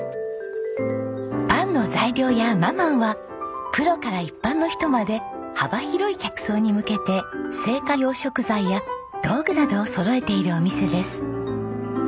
パンの材料屋ｍａｍａｎはプロから一般の人まで幅広い客層に向けて製菓用食材や道具などをそろえているお店です。